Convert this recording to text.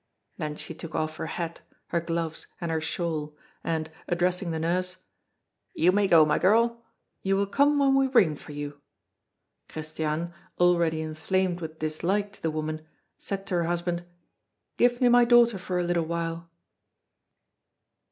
Then she took off her hat, her gloves, and her shawl, and, addressing the nurse: "You may go, my girl. You will come when we ring for you." Christiane, already inflamed with dislike to the woman, said to her husband: "Give me my daughter for a little while."